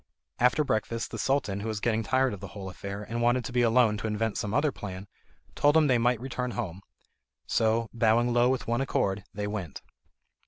After breakfast, the Sultan, who was getting tired of the whole affair and wanted to be alone to invent some other plan, told them they might return home. So, bowing low with one accord, they went.